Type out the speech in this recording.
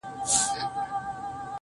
چي كله مخ ښكاره كړي ماته ځېرسي اې ه.